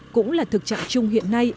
cũng là thực trạng chung hiện nay